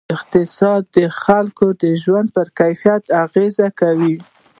اقتصاد د خلکو د ژوند پر کیفیت اغېز کوي.